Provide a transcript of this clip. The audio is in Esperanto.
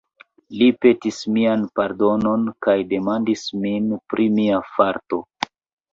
Li petis mian pardonon, kaj demandis min pri mia farto.